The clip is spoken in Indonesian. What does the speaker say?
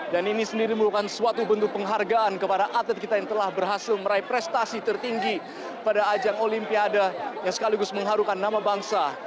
dan ini sendiri merupakan suatu bentuk penghargaan kepada atlet kita yang telah berhasil meraih prestasi tertinggi pada ajang olimpiade yang sekaligus mengharukan nama bangsa